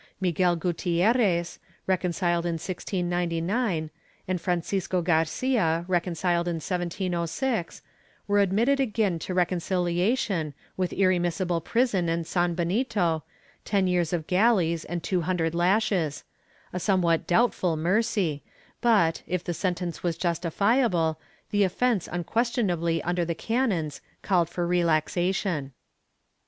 Miguel Gutierrez, reconciled in 1699, and Franciso Garcia, reconciled in 1706, were admitted again to recon ciliation, with irremissible prison and sanbenito, ten years of galleys and two hundred lashes — a somewhat doubtful mercy but, if the sentence was justifiable, the offence unquestionably under the canons, called for relaxation.